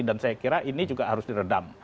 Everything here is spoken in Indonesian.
dan saya kira ini juga harus diredam